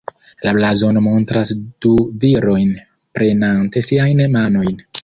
La blazono montras du virojn prenante siajn manojn.